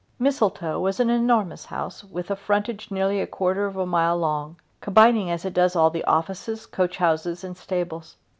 Mistletoe is an enormous house with a frontage nearly a quarter of a mile long, combining as it does all the offices, coach houses, and stables.